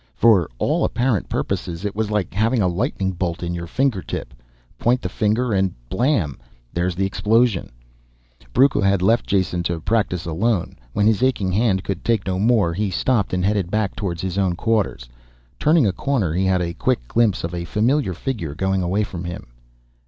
For all apparent purposes it was like having a lightning bolt in your fingertip. Point the finger and blamm, there's the explosion. Brucco had left Jason to practice alone. When his aching hand could take no more, he stopped and headed back towards his own quarters. Turning a corner he had a quick glimpse of a familiar figure going away from him.